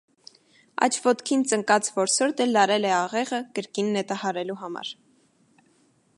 Աջ ոտքին ծնկած որսորդը լարել է աղեղը կրկին նետահարելու համար։